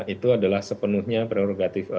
itu adalah sepenuhnya prerogatifnya